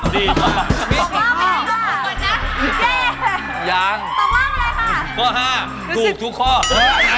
ตอบว่าไปเลยค่ะ